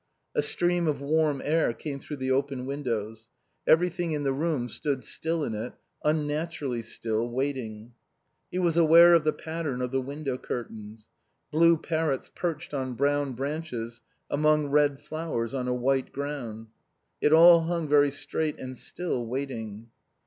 A stream of warm air came through the open windows. Everything in the room stood still in it, unnaturally still, waiting. He was aware of the pattern of the window curtains. Blue parrots perched on brown branches among red flowers on a white ground; it all hung very straight and still, waiting.